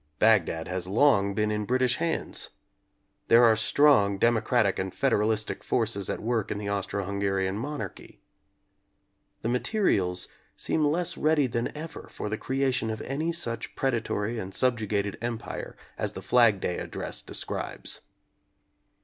Bagdad has long been in British hands. There are strong democratic and federalistic forces at work in the Austro Hunga rian monarchy. The materials seem less ready than ever for the creation of any such predatory and subjugated Empire as the Flag Day Address describes.